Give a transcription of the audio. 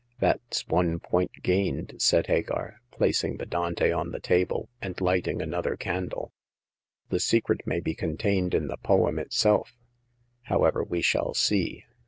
That's one point gained,'' said Hagar, placing the Dante on the table and hghting another can dle. The secret may be contained in the poem itself. However, we shall see.